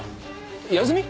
休み？